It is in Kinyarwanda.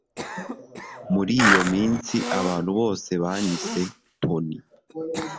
Muri iyo minsi abantu bose banyise Tony